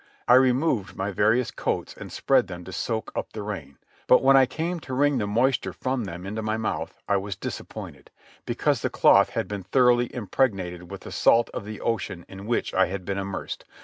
I removed my various coats and spread them to soak up the rain; but, when I came to wring the moisture from them into my mouth, I was disappointed, because the cloth had been thoroughly impregnated with the salt of the ocean in which I had been immersed.